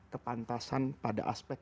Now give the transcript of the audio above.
kepantasan pada aspek